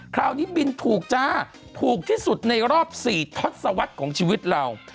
คราวนี้บินถูกจ้าถูกที่สุดในรอบ๔ทศวรรษของชีวิตเรา